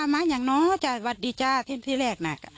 มาอย่างน้อยจ้ะวัดดีจ้าที่แรกน่ะ